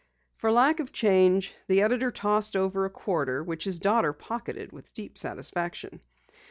For lack of change, the editor tossed over a quarter, which his daughter pocketed with deep satisfaction.